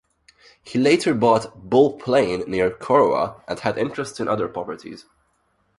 He later bought "Bull Plain" near Corowa and had interests in other properties.